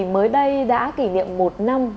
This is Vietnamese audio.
mới đây đã kỷ niệm một năm